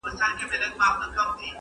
څنګه به دي یاره هېرومه نور ,